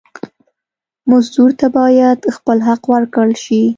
مزدور ته باید خپل حق ورکړل شي.